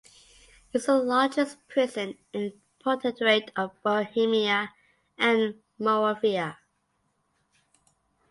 It was the largest prison in the Protectorate of Bohemia and Moravia.